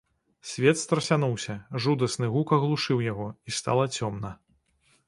Свет страсянуўся, жудасны гук аглушыў яго, і стала цёмна.